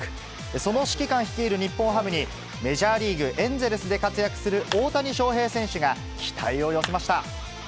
その指揮官率いる日本ハムに、メジャーリーグ・エンゼルスで活躍する大谷翔平選手が、期待を寄せました。